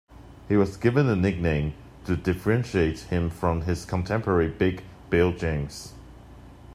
He was given a nickname to differentiate him from his contemporary, "Big" Bill James.